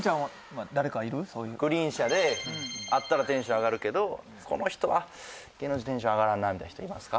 グリーン車で会ったらテンション上がるけどこの人は芸能人テンション上がらんなみたいな人いますか？